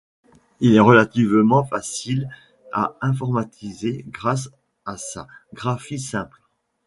Il est relativement facile à informatiser grâce à sa graphie simple.